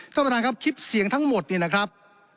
ท่านประธานครับคลิปเสียงทั้งหมดนี่นะครับ